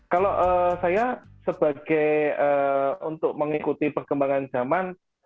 kalau saya sebagai untuk mengikuti perkembangan zaman